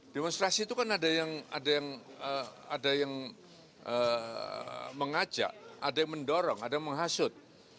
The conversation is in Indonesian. demonstrasi itu kan ada yang mengajak ada yang mendorong ada yang menghasut